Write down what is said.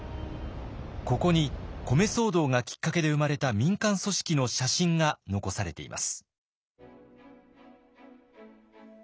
ここに米騒動がきっかけで生まれた民間組織の写真が残されています。